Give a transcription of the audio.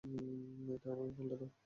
এই আমাকে ফাইলটা দাও।